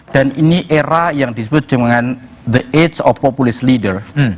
dan ini era yang disebut dengan the age of populist leader